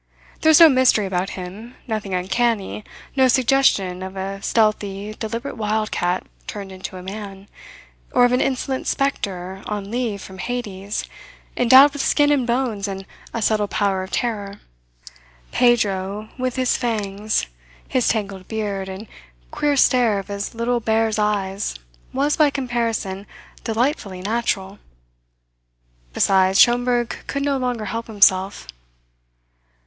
There was no mystery about him, nothing uncanny, no suggestion of a stealthy, deliberate wildcat turned into a man, or of an insolent spectre on leave from Hades, endowed with skin and bones and a subtle power of terror. Pedro with his fangs, his tangled beard, and queer stare of his little bear's eyes was, by comparison, delightfully natural. Besides, Schomberg could no longer help himself.